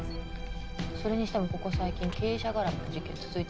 それにしてもここ最近経営者絡みの事件続いてますね。